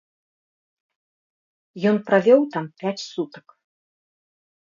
Ён правёў там пяць сутак.